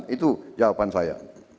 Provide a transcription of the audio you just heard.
itu jawaban saya